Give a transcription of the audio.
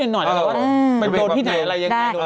เป็นโดดที่ไหนอะไรยังไงกับเรื่องนี้